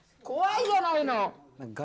怖いじゃないの。